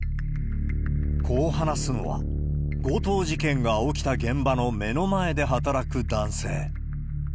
こう話すのは、強盗事件が起きた現場の目の前で働く男性。